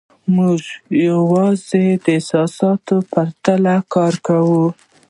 موږ یوازې د احساساتو په تله کار کوو.